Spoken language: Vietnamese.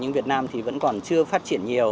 nhưng việt nam vẫn còn chưa phát triển nhiều